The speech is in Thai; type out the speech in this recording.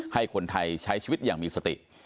ให้คนไทยใช้ชีวิตอย่างมีสติ